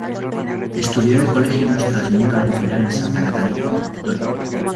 Estudió en el colegio Nuestra Señora del Pilar en Santa Catalina, la Victoria.